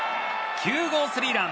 ９号スリーラン！